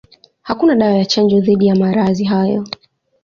Hakuna dawa ya chanjo dhidi ya maradhi hayo.